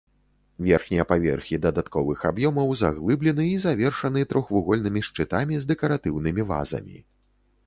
Верхнія паверхі дадатковых аб'ёмаў заглыблены і завершаны трохвугольнымі шчытамі з дэкаратыўнымі вазамі.